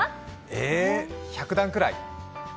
ええっ、１００段くらい？